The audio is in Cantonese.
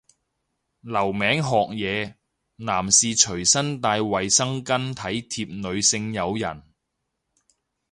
留名學嘢，男士隨身帶衛生巾體貼女性友人